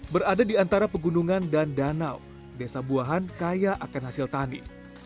berada di antara pegunungan dan danau desa buahan kaya akan hasil tani